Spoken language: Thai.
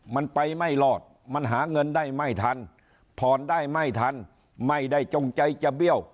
มันไปไม่รอดมันหาเงินได้ไม่ทันผ่อนได้ไม่ทันไม่ได้จงใจจะเบี้ยว